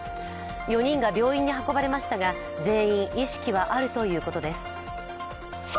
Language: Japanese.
４人が病院に運ばれましたが全員意識はあるということです。